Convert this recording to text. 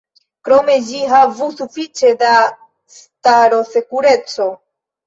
Krome ĝi havu sufiĉe da starosekureco.